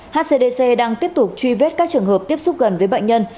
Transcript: hcdc đang tiếp tục truy vết các trường hợp tiếp xúc gần với bệnh nhân